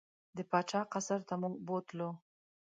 د پاچا قصر ته مو بوتلو.